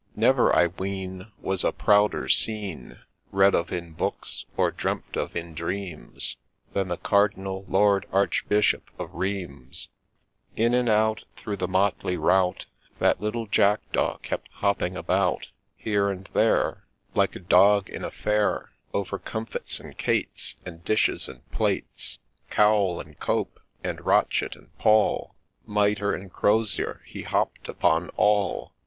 Never, I ween, Was a prouder seen, Read of in books, or dreamt of in dreams, Than the Cardinal Lord Archbishop of Rheims I In and out Through the motley rout, That little Jackdaw kept hopping about ; Here and there Like a dog in a fair, 130 THE JACKDAW OF RHEIMS Over comfits and cates, And dishes and plates, Cowl and cope, and rochet and pall, Mitre and crosier ! he hopp'd upon all